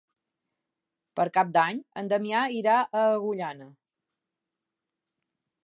Per Cap d'Any en Damià irà a Agullana.